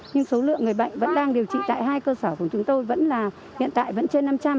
nhưng số lượng người bệnh vẫn đang điều trị tại hai cơ sở của chúng tôi vẫn là hiện tại vẫn trên năm trăm linh